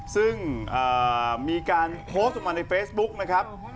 ซึ่งมีการโพสต์ออกมาในเฟซบุ๊กนะครับ